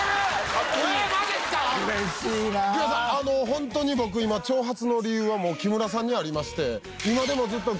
ホントに僕今長髪の理由は木村さんにありまして。